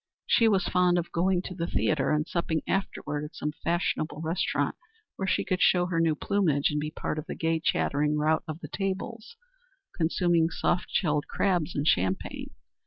She was fond of going to the theatre and supping afterward at some fashionable restaurant where she could show her new plumage and be a part of the gay, chattering rout at the tables consuming soft shelled crabs and champagne.